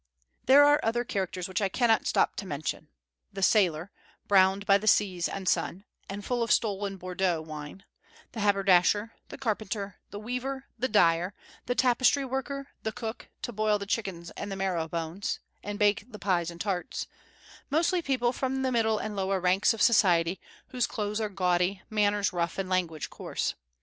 There are other characters which I cannot stop to mention, the sailor, browned by the seas and sun, and full of stolen Bordeaux wine; the haberdasher; the carpenter; the weaver; the dyer; the tapestry worker; the cook, to boil the chickens and the marrow bones, and bake the pies and tarts, mostly people from the middle and lower ranks of society, whose clothes are gaudy, manners rough, and language coarse.